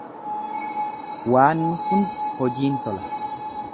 Waanni hundi hojiin tola.